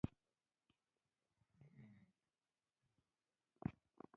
د غومبري تور خال يې ښکارېده.